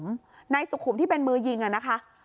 พอหลังจากเกิดเหตุแล้วเจ้าหน้าที่ต้องไปพยายามเกลี้ยกล่อม